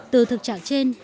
từ thực trạng trên